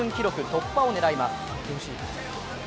突破を狙います。